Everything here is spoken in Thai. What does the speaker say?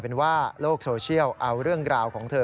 เป็นว่าโลกโซเชียลเอาเรื่องราวของเธอ